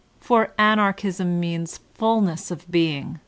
For Anarchism means fulness of being.